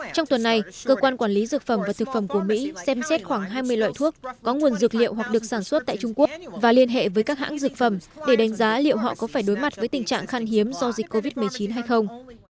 trong tuần này cơ quan quản lý dược phẩm và thực phẩm của mỹ xem xét khoảng hai mươi loại thuốc có nguồn dược liệu hoặc được sản xuất tại trung quốc và liên hệ với các hãng dược phẩm để đánh giá liệu họ có phải đối mặt với tình trạng khan hiếm do dịch covid một mươi chín hay không